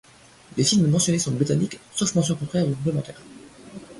Les films mentionnés sont britanniques, sauf mention contraire ou complémentaire.